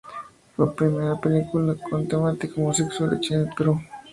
Fue la primera película con temática homosexual hecha en el Perú.